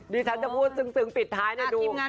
ดีฉันจะพูดซึ้งติดท้ายนี่ดูเอวหวาน